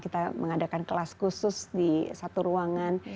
kita mengadakan kelas khusus di satu ruangan